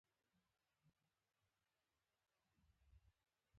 د خبرو کوربه توب پېشنهاد یې هم وکړ.